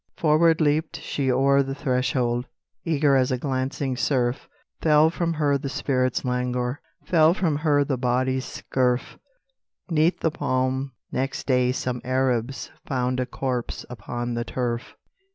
Forward leaped she o'er the threshold, Eager as a glancing surf; Fell from her the spirit's languor, Fell from her the body's scurf; 'Neath the palm next day some Arabs Found a corpse upon the turf.